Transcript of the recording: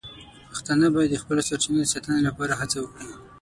پښتانه باید د خپلو سرچینو د ساتنې لپاره هڅې وکړي.